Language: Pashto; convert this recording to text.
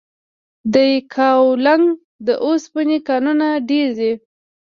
د یکاولنګ د اوسپنې کانونه ډیر دي؟